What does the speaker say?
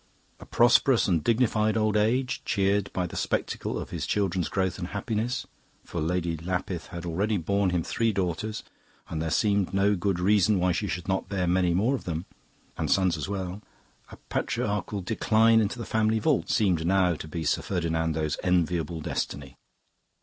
A prosperous and dignified old age, cheered by the spectacle of his children's growth and happiness for Lady Lapith had already borne him three daughters, and there seemed no good reason why she should not bear many more of them, and sons as well a patriarchal decline into the family vault, seemed now to be Sir Ferdinando's enviable destiny.